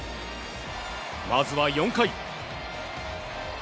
まずは４回。